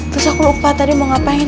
terus aku lupa tadi mau ngapain